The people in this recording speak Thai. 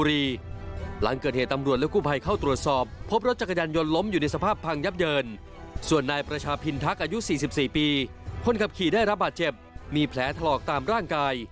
ได้รับปาดเจ็บมีแผลถลอกตามร่างกาย